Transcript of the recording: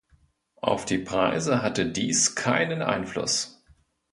Auf die Preise hatte dies keinen Einfluss.